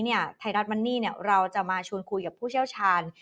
ไทยรัฐมันนี่เราจะมาชวนคุยกับผู้เชี่ยวชาญ